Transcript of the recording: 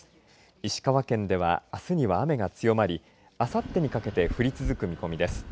石川県では、あすには雨が強まりあさってにかけて降り続く見込みです。